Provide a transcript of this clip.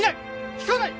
聞かない！